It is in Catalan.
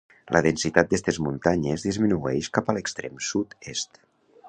La densitat d'estes muntanyes disminuïx cap a l'extrem sud-est.